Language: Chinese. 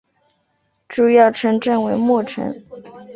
主要城镇为莫城。